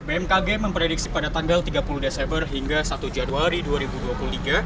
bmkg memprediksi pada tanggal tiga puluh desember hingga satu januari dua ribu dua puluh tiga